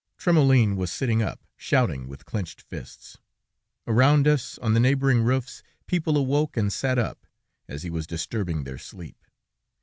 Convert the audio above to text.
Trémoulin was sitting up, shouting, with clenched fists. Around us, on the neighboring roofs, people awoke and sat up, as he was disturbing their sleep.